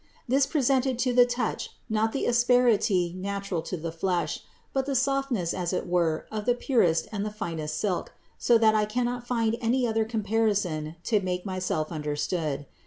This presented to the touch not the asperity natural to the flesh, but the softness as it were of the purest and the finest silk, so that I cannot find any other comparison to make myself understood.